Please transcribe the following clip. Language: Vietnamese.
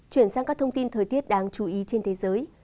chuyển sang các thông tin thời tiết đáng chú ý trên thế giới